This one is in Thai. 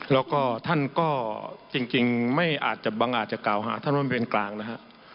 แล้วก็ท่านก็จริงไม่อาจจะบางอาจจะกล่าวหาท่านว่ามันเป็นกลางนะฮะ